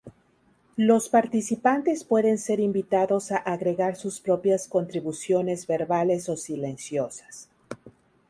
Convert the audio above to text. Los participantes pueden ser invitados a agregar sus propias contribuciones verbales o silenciosas.